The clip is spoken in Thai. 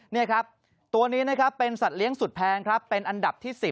นี่ตัวนี้เป็นสัตว์เลี้ยงสุดแพงเป็นอันดับที่๑๐